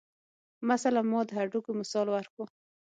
مثلاً ما د هډوکو مثال ورکو.